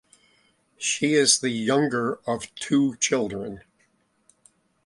She is the younger of two children.